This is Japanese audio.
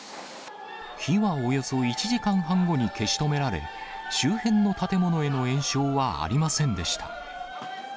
火はおよそ１時間半後に消し止められ、周辺の建物への延焼はありませんでした。